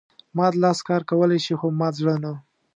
مات لاس کار کولای شي خو مات زړه نه.